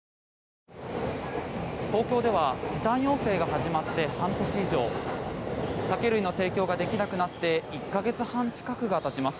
東京では時短要請が始まって半年以上酒類の提供ができなくなって１か月半近くがたちます。